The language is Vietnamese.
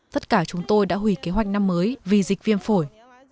tất cả chúng tôi đã hủy kế hoạch năm mới vì dịch viêm phổi